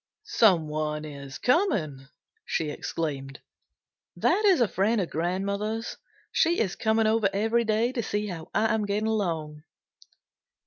"Someone is coming!" she exclaimed. "That is a friend of grandmother's. She is coming over every day to see how I am getting along."